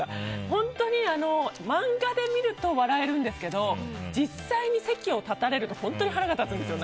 本当に漫画で見ると笑えるんですけど実際に席を立たれると本当に腹が立つんですよ。